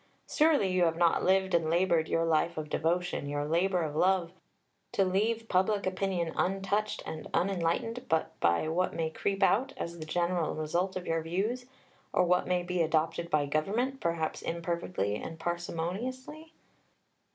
Surely you have not lived and laboured your life of devotion, your labour of love, to leave public opinion untouched and unenlightened but by what may creep out, as the general result of your views, or what may be adopted by Government, perhaps imperfectly and parsimoniously?